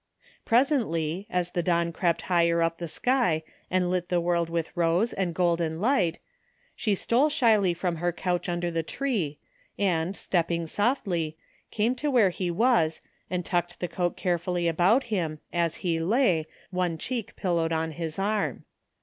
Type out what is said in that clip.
Presently, as the dawn crept higher up the sky and lit the world with rose and golden light, she stole shyly from her couch under the tree and, stepping softly, came to where he was and tucked the coat carefully about him, as he lay, one cheek pillowed on his arm.